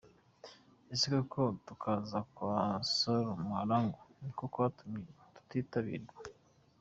Ese koko kutaza kwa Solly Mahlangu niko kwatumye kititabirwa?.